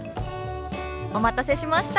お待たせしました。